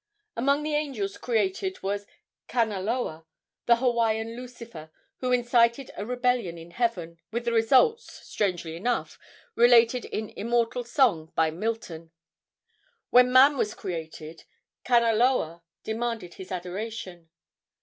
Among the angels created was Kanaloa, the Hawaiian Lucifer, who incited a rebellion in heaven, with the results, strangely enough, related in immortal song by Milton. When man was created, Kanaloa demanded his adoration.